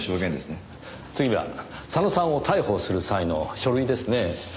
次は佐野さんを逮捕する際の書類ですねぇ。